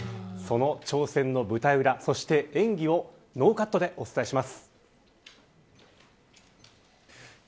その挑戦の舞台裏そして演技をノーカットでお伝えします。